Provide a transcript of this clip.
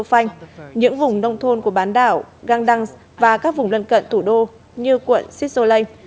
các băng đảng mở rộng từ thủ đô portofan những vùng nông thôn của bán đỏ găng đăng và các vùng lần cận thủ đô như quận sicilane